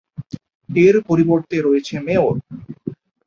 এর পরিবর্তে রয়েছে মেয়র।